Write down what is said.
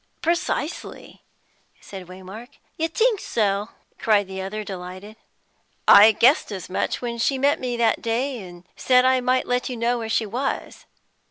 "Precisely," said Waymark. "You think so?" cried the other, delighted. "I guessed as much when she met me that day and said I might let you know where she was."